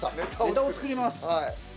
ネタを作ります。